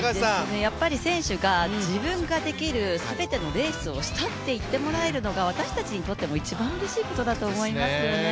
やっぱり選手が自分ができる全てのレースをしたって思えるのが私たちにとっても一番うれしいことだと思いますね。